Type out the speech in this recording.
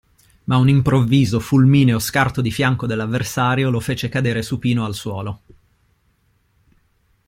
Ma un improvviso, fulmineo scarto di fianco dell'avversario, lo fece cadere supino al suolo.